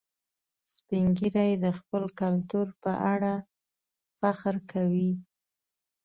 سپین ږیری د خپل کلتور په اړه فخر کوي